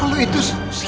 lo itu siapa bibi